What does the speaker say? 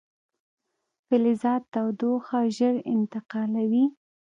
فلزات تودوخه ژر انتقالوي.